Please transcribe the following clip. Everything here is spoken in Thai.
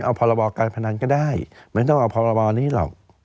เอาพรบการพนันก็ได้ไม่ต้องเอาพรบนี้หรอก